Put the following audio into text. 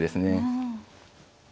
うん。